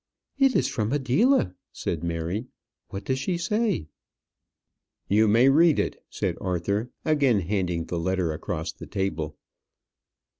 "It is from Adela," said Mary; "what does she say?" "You may read it," said Arthur, again handing the letter across the table.